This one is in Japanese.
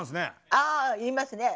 あ言いますね。